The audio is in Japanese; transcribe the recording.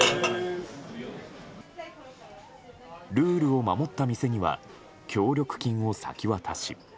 ルールを守った店には協力金を先渡し。